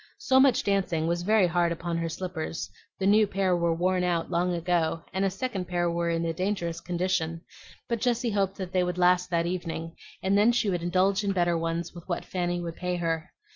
So much dancing was very hard upon her slippers, the new pair were worn out long ago, and a second pair were in a dangerous condition; but Jessie hoped that they would last that evening, and then she would indulge in better ones with what Fanny would pay her.